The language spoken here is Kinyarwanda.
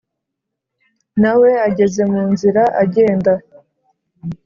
nawe ageze munzira agenda